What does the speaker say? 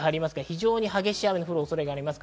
非常に激しい雨が降る恐れがあります。